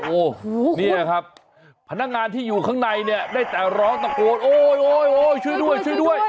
โอ้โหเนี่ยครับพนักงานที่อยู่ข้างในเนี่ยได้แต่ร้องตะโกนโอ๊ยช่วยด้วยช่วยด้วย